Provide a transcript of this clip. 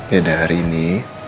yaudah hari ini